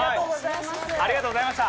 ありがとうございます！